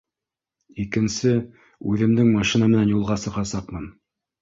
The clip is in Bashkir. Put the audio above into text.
Икенсе үҙемдең машина менән юлға сығасаҡмын